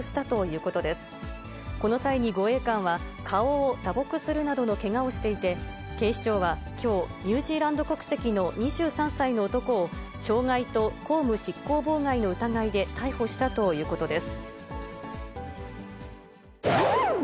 この際に護衛官は、顔を打撲するなどのけがをしていて、警視庁はきょう、ニュージーランド国籍の２３歳の男を、傷害と公務執行妨害の疑いで逮捕したということです。